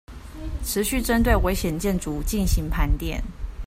持續針對危險建築進行盤點